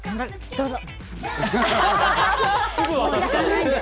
どうぞ！